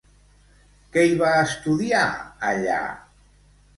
Què hi va estudiar allà?